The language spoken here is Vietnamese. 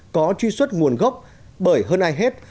có truy xuất nguồn gốc bởi hơn ai hết